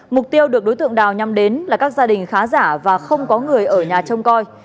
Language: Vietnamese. mục tiêu được đối tượng đào nhắm đến là các gia đình khá giả và không có người ở nhà trông coi